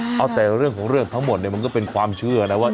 เอาแต่เรื่องของเรื่องทั้งหมดเนี่ยมันก็เป็นความเชื่อนะว่า